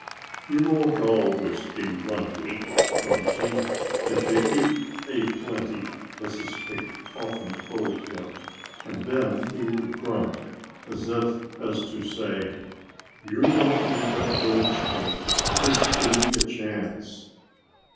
"You won't always be runty, Grunty, if you eat a plenty," Mrs. Pig often told him. And then he would grunt, as if to say, "You don't need to urge me. Just give me a chance!"